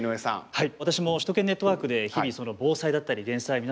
はい。